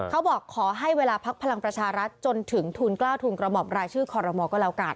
ขอให้เวลาพักพลังประชารัฐจนถึงทุนกล้าทุนกระหอบรายชื่อคอรมอลก็แล้วกัน